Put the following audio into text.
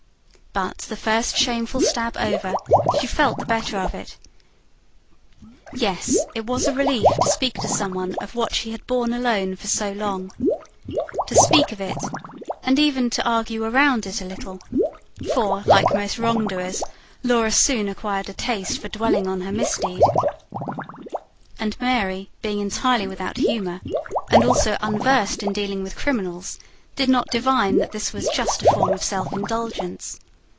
But, the first shameful stab over, she felt the better of it; yes, it was a relief to speak to some one of what she had borne alone for so long. To speak of it, and even to argue round it a little; for, like most wrongdoers, Laura soon acquired a taste for dwelling on her misdeed. And Mary, being entirely without humour, and also unversed in dealing with criminals, did not divine that this was just a form of self indulgence.